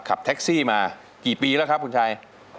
ขับแท็กซี่มากี่ปีแล้วครับคุณชัย